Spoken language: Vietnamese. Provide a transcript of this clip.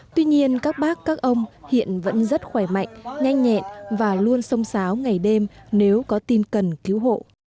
tuy nhiên các bác các ông hiện vẫn rất khỏe mạnh nhanh nhẹn và luôn sông sáo ngày đêm nếu có tin cần cứu hộ